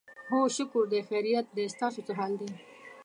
هو شکر دی، خیریت دی، ستاسو څه حال دی؟